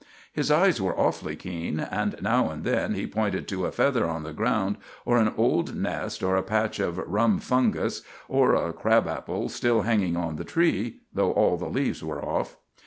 His eyes were awfully keen, and now and then he pointed to a feather on the ground, or an old nest or a patch of rum fungus or a crab apple still hanging on the tree, though all the leaves were off.